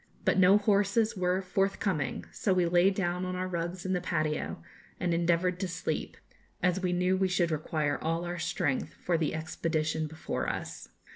But no horses were forthcoming, so we lay down on our rugs in the patio, and endeavoured to sleep, as we knew we should require all our strength for the expedition before us.